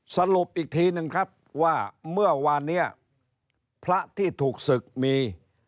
สรุปอีกทีหนึ่งครับว่าเมื่อวานเนี่ยพระที่ถูกศึกมี